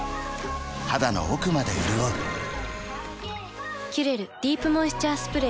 肌の奥まで潤う「キュレルディープモイスチャースプレー」